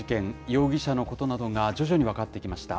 容疑者のことなどが徐々に分かってきました。